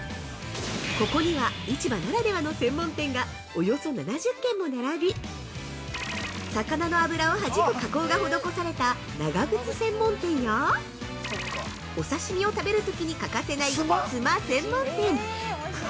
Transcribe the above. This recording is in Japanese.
ここには、市場ならではの専門店が、およそ７０軒も並び魚の脂を弾く加工が施された長靴専門店やお刺身を食べるときに欠かせない「つま」専門店！